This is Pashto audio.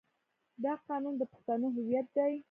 دا قانون د پښتنو هویت دی.